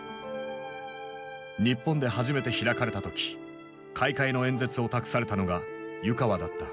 日本で初めて開かれた時開会の演説を託されたのが湯川だった。